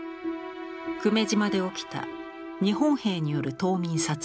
久米島で起きた日本兵による島民殺害。